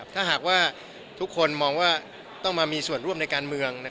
ถ้าหากว่าทุกคนมองว่าต้องมามีส่วนร่วมในการเมือง